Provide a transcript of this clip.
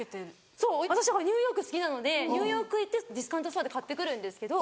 そう私ニューヨーク好きなのでニューヨーク行ってディスカウントストアで買ってくるんですけど。